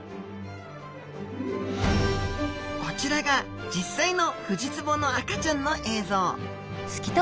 こちらが実際のフジツボの赤ちゃんの映像。